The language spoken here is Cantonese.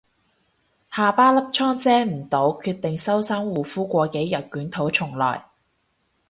下巴粒瘡遮唔到，決定收山護膚過幾日捲土重來